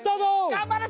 頑張れ！